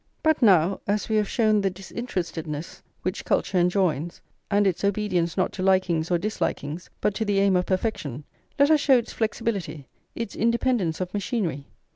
But now, as we have shown the disinterestedness which culture enjoins, and its obedience not to likings or dislikings, but to the aim of perfection, let us show its flexibility, its independence of machinery.